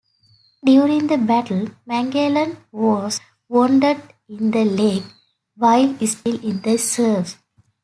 During the battle, Magellan was wounded in the leg, while still in the surf.